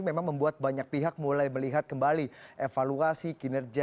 memang membuat banyak pihak mulai melihat kembali evaluasi kinerja